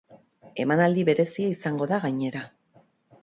Emanaldi berezia izango da, gainera.